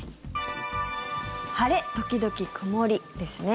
晴れ時々曇りですね。